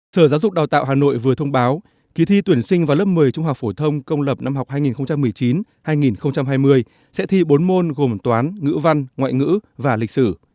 sở giáo dục đào tạo hà nội vừa thông báo kỳ thi tuyển sinh vào lớp một mươi trung học phổ thông công lập năm học hai nghìn một mươi chín hai nghìn hai mươi sẽ thi bốn môn gồm toán ngữ văn ngoại ngữ và lịch sử